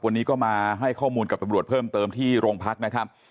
วันนี้ก็มาให้ข้อมูลกับตำรวจเพิ่มเติมที่โรงพักนะครับ